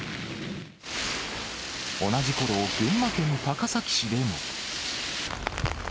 同じころ、群馬県高崎市でも。